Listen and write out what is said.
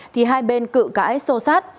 thì hai bên cự cãi sâu sát